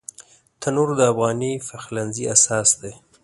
تنور د افغاني پخلنځي اساس دی